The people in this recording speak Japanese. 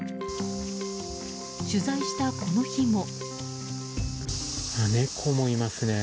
取材したこの日も。